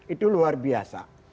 itu luar biasa